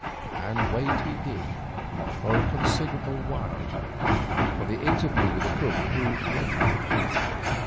And wait he did, for a considerable while, for the interview with the cook proved lengthy.